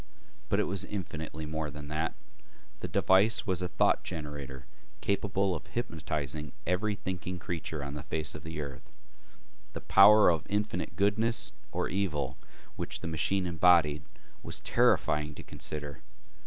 But it was infinitely more than that. The device was a thought generator capable of hypnotizing every thinking creature on the face of the earth. The power of infinite goodness or evil which the machine embodied was terrifying to consider.